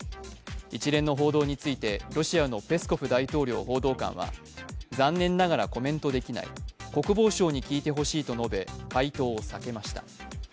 一連の報道についてロシアのペスコフ大統領報道官は残念ながらコメントできない国防省に聞いてほしいと述べ回答を避けました。